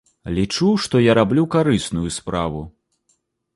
Лічу, што я раблю карысную справу.